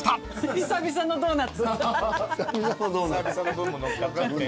久々のドーナツ。